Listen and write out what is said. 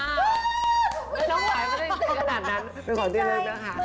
แล้วน้องหวายไม่ได้ขนาดนั้นเป็นของที่ลึกนะคะ